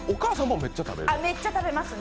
めっちゃ食べますね。